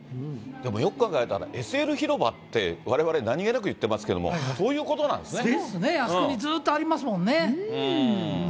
でもよく考えたら、ＳＬ広場って、われわれ、何気なく言ってますけれども、そういうことなんですね。